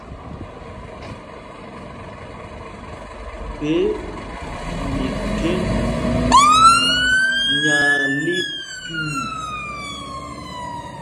Phe mikheŋ nya lǐ tüü.